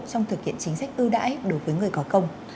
trong thực hiện chính sách ưu đãi đối với người có công